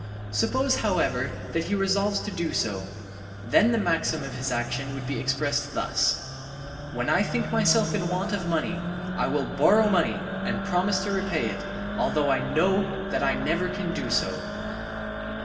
Suppose however that he resolves to do so: then the maxim of his action would be expressed thus: "When I think myself in want of money, I will borrow money and promise to repay it, although I know that I never can do so."